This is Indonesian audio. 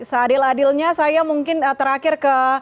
seadil adilnya saya mungkin terakhir ke